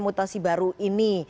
mutasi baru ini